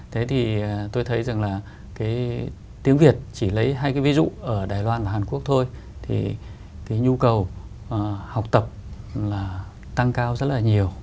thế thì tôi thấy rằng là cái tiếng việt chỉ lấy hai cái ví dụ ở đài loan và hàn quốc thôi thì cái nhu cầu học tập là tăng cao rất là nhiều